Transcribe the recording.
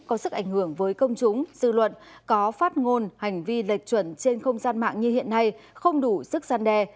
có sức ảnh hưởng với công chúng dư luận có phát ngôn hành vi lệch chuẩn trên không gian mạng như hiện nay không đủ sức gian đe